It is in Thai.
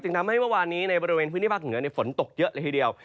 ทำให้เมื่อวานนี้ในบริเวณพื้นที่ภาคเหนือฝนตกเยอะเลยทีเดียว